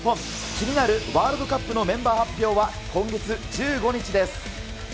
気になるワールドカップのメンバー発表は今月１５日です。